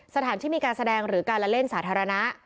สถานที่มีการแสดงหรือการละเล่นสาธารณะ